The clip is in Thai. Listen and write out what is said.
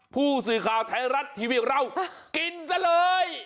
ผู้สื่อข่าวไทยรัฐทีวีของเรากินซะเลย